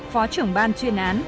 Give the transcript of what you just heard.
phó trưởng ban chuyên án